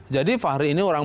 jadi fahri ini orang